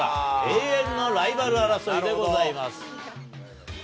永遠のライバル争いでございます。